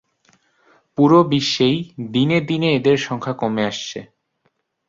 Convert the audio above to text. পুরো বিশ্বেই দিনে দিনে এদের সংখ্যা কমে আসছে।